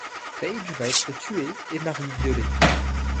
Paige va être tuée et Marie violée.